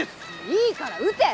いいから射て！